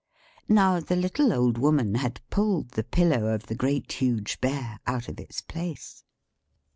Now, the little Old Woman had pulled the pillow of the Great, Huge Bear out of its place.